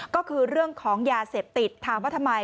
ก็คือเรื่องของยาเสพติดถามว่าทำไม